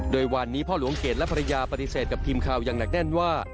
โดยวันนี้พ่อหลวงเกดและภรรยาปฏิเสธกับทีมข่าวอย่างหนักแน่นว่า